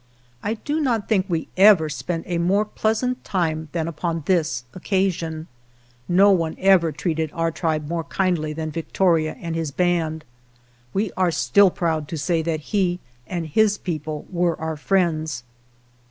I do not think we ever spent a more pleasant time than upon this occasion. No one ever treated our tribe more kindly than Victoria and his band. We 127 GERONIMO are still proud to say that he and his people were our friends.